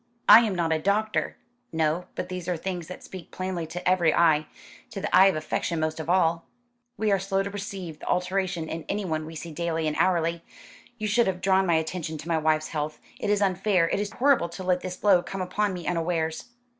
"I am not a doctor." "No; but these are things that speak plainly to every eye to the eye of affection most of all." "We are slow to perceive the alteration in anyone we see daily and hourly. You should have drawn my attention to my wife's health. It is unfair, it is horrible to let this blow come upon me unawares."